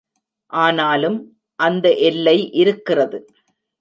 ஆனாலும் அந்த எல்லை இருக்கிறது.